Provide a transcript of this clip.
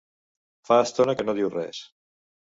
Fa estona que no diu res.